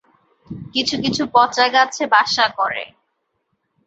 কিছু কিছু পচা গাছে বাসা করে।